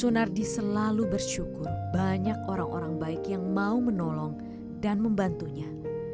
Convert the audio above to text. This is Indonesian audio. sunardi selalu bersyukur banyak orang orang baik yang mau menolong dan membantunya